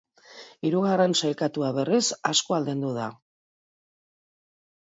Hirugarren sailkatua, berriz, asko aldendu da.